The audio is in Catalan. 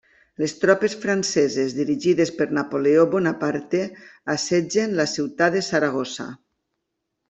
Les tropes franceses dirigides per Napoleó Bonaparte assetgen la ciutat de Saragossa.